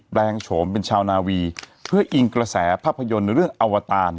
ลงโฉมเป็นชาวนาวีเพื่ออิงกระแสภาพยนตร์เรื่องอวตาร